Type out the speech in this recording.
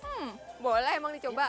hmm boleh emang dicoba